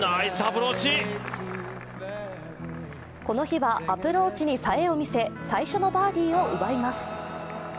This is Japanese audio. この日はアプローチにさえを見せ最初のバーディーを奪います。